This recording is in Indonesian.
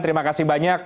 terima kasih banyak